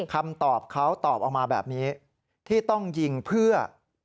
คำตอบเขาตอบออกมาแบบนี้ที่ต้องยิงเพื่อ